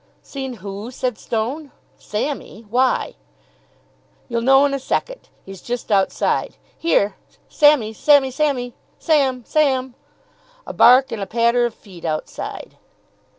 "Seen who?" said Stone. "Sammy? Why?" "You'll know in a second. He's just outside. Here, Sammy, Sammy, Sammy! Sam! Sam!" A bark and a patter of feet outside.